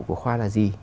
của khoa là gì